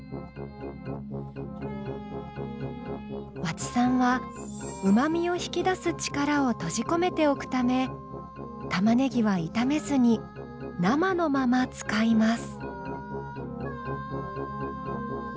和知さんはうまみを引き出す力を閉じ込めておくため玉ねぎは炒めずに生のまま使います。